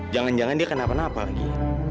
jangan jangan dia kenapa kenapa lagi